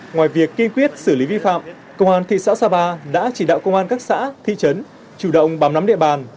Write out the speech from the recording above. ngoài việc kiên quyết xử lý vi phạm cộng hòa thị xã xà và đã chỉ đạo công an các xã thị trấn chủ động bám nắm địa bàn